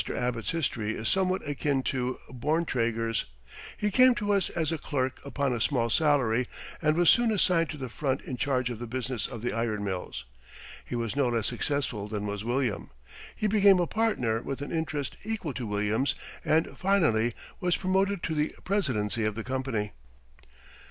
Abbott's history is somewhat akin to Borntraeger's. He came to us as a clerk upon a small salary and was soon assigned to the front in charge of the business of the iron mills. He was no less successful than was William. He became a partner with an interest equal to William's, and finally was promoted to the presidency of the company.